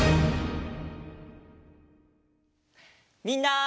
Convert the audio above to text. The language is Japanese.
みんな。